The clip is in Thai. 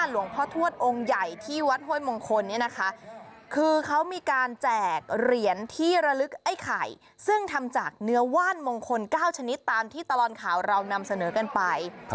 แล้วคือเขามีการแจกเหรียญที่ระลึกไอ้ไข่ซึ่งทำจากเนื้อว่านมงคล๙ชันิดตามที่ตลอดข่าวเรานำเสนอกันไป